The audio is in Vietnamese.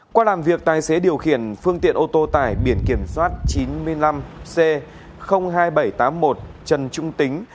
qua làm việc tài xế điều khiển phương tiện ô tô tải biển kiểm soát chín mươi năm c hai nghìn bảy trăm tám mươi một trần trung tính